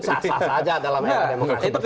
sasa saja dalam era demokrasi